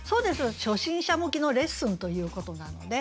初心者向きのレッスンということなので。